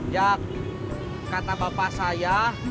jak kata bapak saya